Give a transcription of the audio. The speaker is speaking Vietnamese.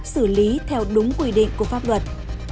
xử lý theo đúng quy định của pháp luật